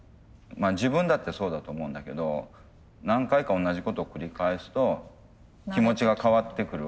まあ自分だってそうだと思うんだけど何回か同じことを繰り返すと気持ちが変わってくるわけでしょ。